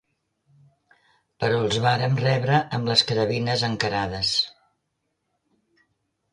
… però els vàrem rebre amb les carabines encarades.